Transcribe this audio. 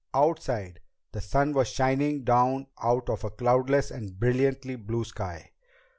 Outside, the sun was shining down out of a cloudless and brilliantly blue sky.